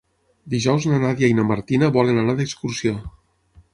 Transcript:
Dijous na Nàdia i na Martina volen anar d'excursió.